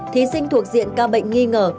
thí sinh thuộc diện ca bệnh nghi ngờ